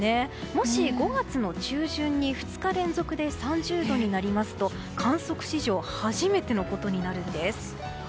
もし５月の中旬に２日連続で３０度になりますと、観測史上初めてのことになるんです。